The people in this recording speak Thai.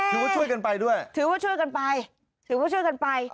ถือว่าช่วยกันไปด้วยถือว่าช่วยกันไปถือว่าช่วยกันไป